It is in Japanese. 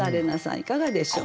いかがでしょう？